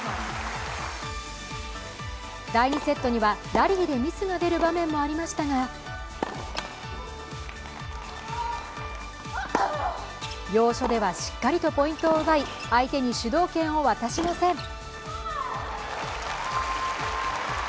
第２セットにはラリーでミスが出る場面もありましたが要所ではしっかりとポイントを奪い、相手に主導権を渡しません。